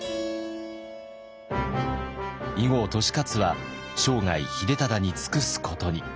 以後利勝は生涯秀忠に尽くすことに。